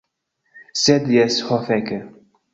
Sed jes, ho fek'